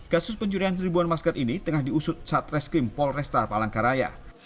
kasus pencurian ribuan masker ini tengah diusut saat reskrim polrestar palangkaraya